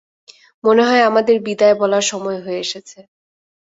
মনে হয় আমাদের বিদায় বলার সময় হয়ে এসেছে।